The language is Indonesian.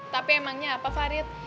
tapi emangnya apa farid